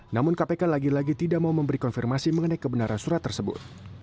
namun kpk lagi lagi tidak mau memberi konfirmasi mengenai kebenaran surat tersebut